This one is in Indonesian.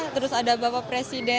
terus ada bapak presiden